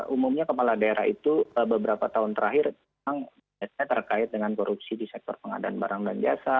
umumnya kepala daerah itu beberapa tahun terakhir memang biasanya terkait dengan korupsi di sektor pengadaan barang dan jasa